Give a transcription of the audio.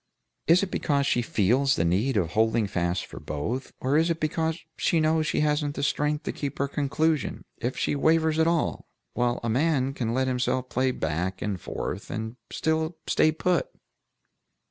Is it because she feels the need of holding fast for both, or is it because she knows she hasn't the strength to keep to her conclusion, if she wavers at all, while a man can let himself play back and forth, and still stay put."